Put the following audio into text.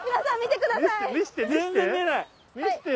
さん見てください。